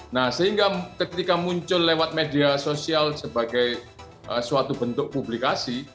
nah sehingga ketika muncul lewat media sosial sebagai suatu bentuk publikasi